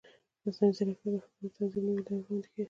مصنوعي ځیرکتیا د فکر د تنظیم نوې لارې وړاندې کوي.